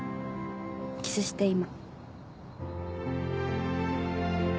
キスして今。